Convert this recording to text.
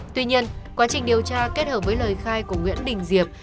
tuy nhiên quá trình điều tra kết hợp với lời khai của nguyễn đình diệp